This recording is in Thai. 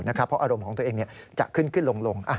เพราะอารมณ์ของตัวเองจะขึ้นขึ้นลง